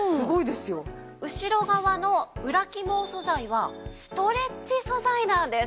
後ろ側の裏起毛素材はストレッチ素材なんです。